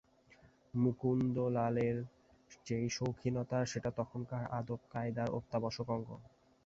মুকুন্দলালের যে শৌখিনতা সেটা তখনকার আদবকায়দার অত্যাবশ্যক অঙ্গ।